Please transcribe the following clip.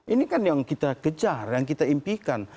ini kan yang kita kejar yang kita impikan